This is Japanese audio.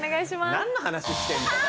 何の話してんだよ。